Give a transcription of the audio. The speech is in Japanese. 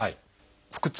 腹痛